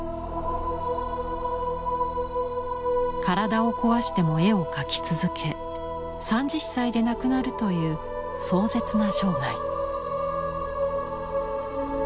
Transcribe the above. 体を壊しても絵を描き続け３０歳で亡くなるという壮絶な生涯。